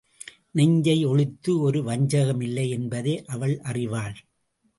நெஞ்சை ஒளித்து ஒரு வஞ்சகமில்லை என்பதை அவள் அறிவாள்.